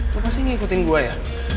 lo pas ke sini ngikutin gue ya